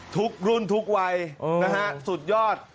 ทุกรุ่นทุกวัยนะฮะสุดยอด